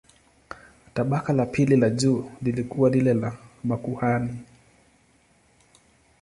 Tabaka la pili la juu lilikuwa lile la makuhani.